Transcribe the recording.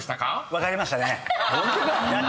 分かりましたね。